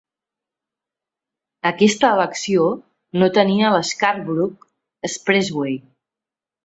Aquesta elecció no tenia el Scarborough Expressway.